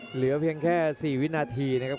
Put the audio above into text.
เหลือเพียงแค่๔วินาทีนะครับ